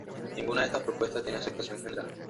Ninguna de estas propuestas tiene aceptación general.